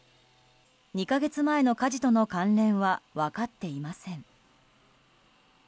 ２か月前の火事との関連は分かっていません。